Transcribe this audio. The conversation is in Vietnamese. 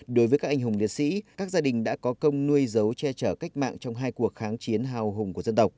đối với các anh hùng liệt sĩ các gia đình đã có công nuôi dấu che trở cách mạng trong hai cuộc kháng chiến hào hùng của dân tộc